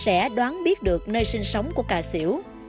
sẽ đoán biết được nơi sinh sống của cà xỉu